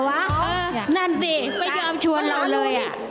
นั่นสิไม่ยอมชวนเราเลย